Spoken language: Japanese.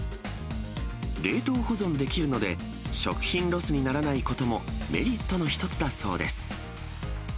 冷凍保存できるので、食品ロスにならないこともメリットの一つだそうです。